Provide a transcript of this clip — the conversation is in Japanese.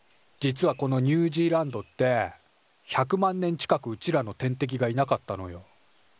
実はこのニュージーランドって１００万年近くうちらの天敵がいなかったのよ。